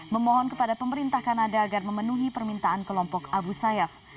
memohon kepada pemerintah kanada agar memenuhi permintaan kelompok abu sayyaf